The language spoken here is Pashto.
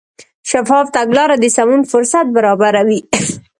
شفاف تګلاره د سمون فرصت برابروي.